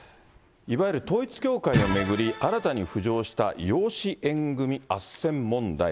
いわゆる統一教会を巡り、新たに浮上した養子縁組あっせん問題。